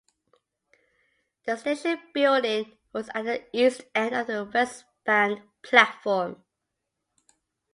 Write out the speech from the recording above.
The station building was at the east end of the westbound platform.